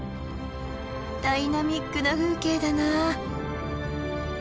ダイナミックな風景だな。